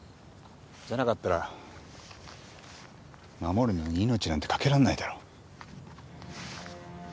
じゃなかったら護るのに命なんて懸けらんないだろ。